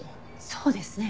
そうですね。